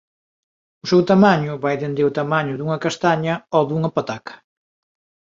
O seu tamaño vai dende o tamaño dunha castaña ao dunha pataca.